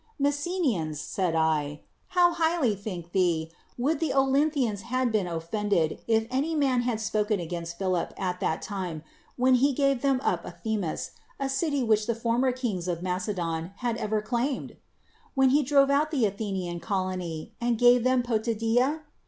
'' Messenians !'' said I, '' how highly, think ye, would the Olynthians have been offended if any man had spoken against Philip at that time when he gave them up Anthemus, a city which the former kings of ]\Iacedon had ever claimed? when he drove out the Athenian colony, and gave them Potidaia?